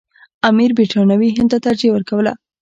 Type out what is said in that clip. امیر برټانوي هند ته ترجیح ورکوله.